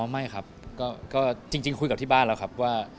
ไม่ครับก็จริงคุยกับที่บ้านแล้วครับว่า